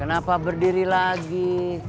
kenapa berdiri lagi